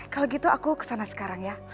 kalau gitu aku kesana sekarang ya